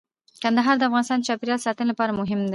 کندهار د افغانستان د چاپیریال ساتنې لپاره مهم دی.